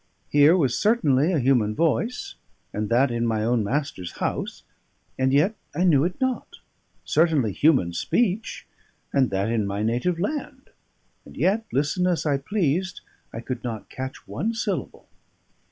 Here was certainly a human voice, and that in my own master's house, and yet I knew it not; certainly human speech, and that in my native land; and yet, listen as I pleased, I could not catch one syllable.